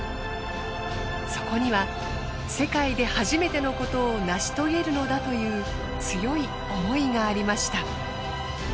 そこには世界で初めてのことを成し遂げるのだという強い思いがありました。